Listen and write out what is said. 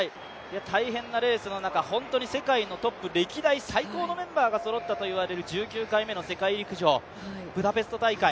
大変なレースの中、世界のトップ歴代最高の選手がそろったといわれる１９回目の世界陸上ブダペスト大会。